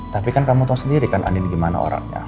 tapi kan kamu tau sendiri kan andin gimana orangnya